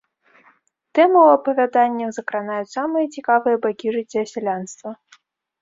Тэмы ў апавяданнях закранаюць самыя цікавыя бакі жыцця сялянства.